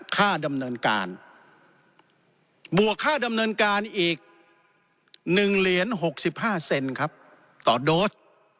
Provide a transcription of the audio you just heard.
ค่าดำเนินการบวกค่าดำเนินการอีก๑เหรียญ๖๕เซนครับต่อโดส